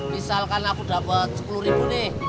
misalkan aku dapat sepuluh ribu nih